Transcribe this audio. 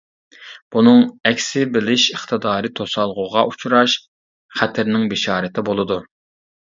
بۇنىڭ ئەكسى بىلىش ئىقتىدارى توسالغۇغا ئۇچراش خەتىرىنىڭ بېشارىتى بولىدۇ.